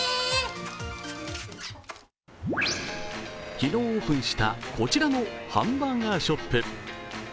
昨日オープンしたこちらのハンバーガーショップ。